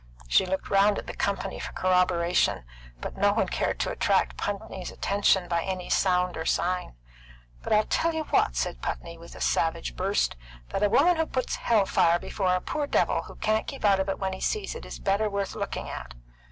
She looked round at the company for corroboration, but no one cared to attract Putney's attention by any sound or sign. "But I'll tell you what," said Putney, with a savage burst, "that a woman who puts hell fire before a poor devil who can't keep out of it when he sees it, is better worth looking at."